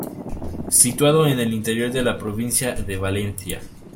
Situado en el interior de la provincia de Valencia.